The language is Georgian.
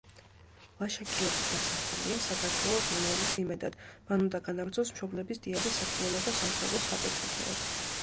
ლაშა-გიორგი დასახულია საქართველოს მომავლის იმედად, მან უნდა განაგრძოს მშობლების დიადი საქმიანობა სამშობლოს საკეთილდღეოდ.